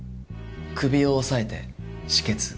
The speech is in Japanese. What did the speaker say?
首を押さえて止血」。